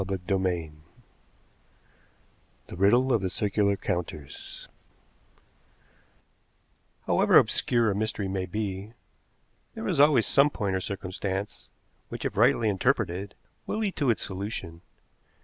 CHAPTER III THE MYSTERY OF THE CIRCULAR COUNTERS However obscure a mystery may be, there is always some point or circumstance which, if rightly interpreted, will lead to its solution.